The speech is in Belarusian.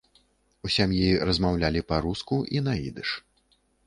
У сям'і размаўлялі па-руску і на ідыш.